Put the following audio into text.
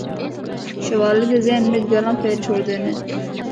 شوالے دے ذہن بچ گلاں پہر چھوڑدے نے۔